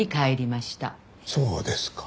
そうですか。